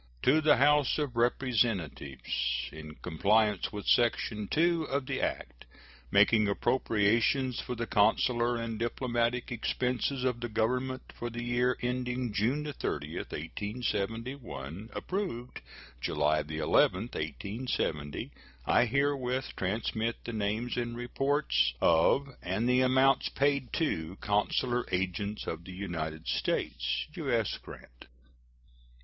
To the House of Representatives: In compliance with section 2 of the act making appropriations for the consular and diplomatic expenses of the Government for the year ending June 30, 1871, approved July 11, 1870, I herewith transmit the names and reports of and the amounts paid to consular agents of the United States. U.S. GRANT.